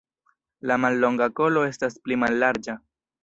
La mallonga kolo estas pli mallarĝa.